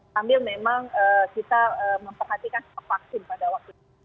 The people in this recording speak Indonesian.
sambil memang kita memperhatikan stok vaksin pada waktu itu